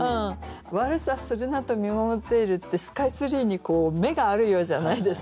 「悪さするなと見守っている」ってスカイツリーに目があるようじゃないですか。